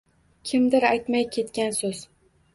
Kimdir aytmay ketgan so‘z...